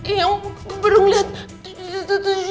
yang kuberleng liat